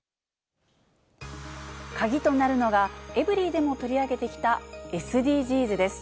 鍵となるのが、エブリィでも取り上げてきたＳＤＧｓです。